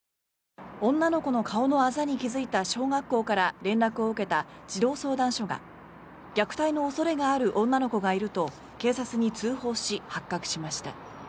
女の子の顔のあざに気付いた小学校から連絡を受けた児童相談所が虐待の恐れがある女の子がいると警察に通報し発覚しました。